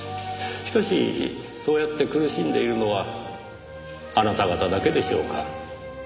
しかしそうやって苦しんでいるのはあなた方だけでしょうか？